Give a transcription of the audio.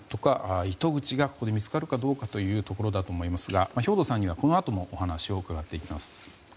糸口が見つかるかどうかというところだと思いますが兵頭さんにはこのあともお話を伺っていきます。